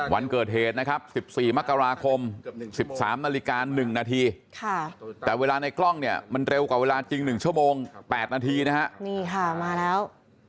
วันเกิดเหตุนะครับ๑๔มกราคม๑๓นาฬิกา๑นาทีแต่เวลาในกล้องเนี่ยมันเร็วกว่าเวลาจริง๑ชั่วโมง๘นาทีนะฮะนี่ค่ะมาแล้ว